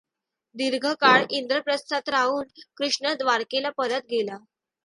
दीर्घकाळ इंद्रप्रस्थात राहून कृष्ण द्वारकेला परत गेला.